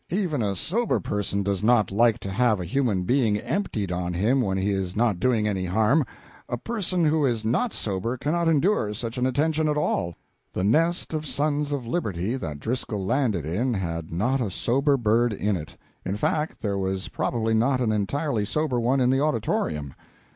Even a sober person does not like to have a human being emptied on him when he is not doing any harm; a person who is not sober cannot endure such an attention at all. The nest of Sons of Liberty that Driscoll landed in had not a sober bird in it; in fact there was probably not an entirely sober one in the auditorium.